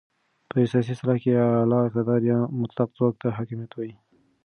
په سیاسي اصطلاح کې اعلی اقتدار یا مطلق ځواک ته حاکمیت وایې.